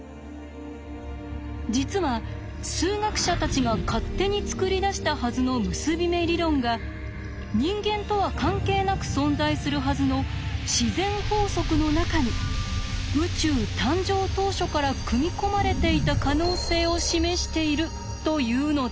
実は数学者たちが勝手に作り出したはずの結び目理論が人間とは関係なく存在するはずの自然法則の中に宇宙誕生当初から組み込まれていた可能性を示しているというのです。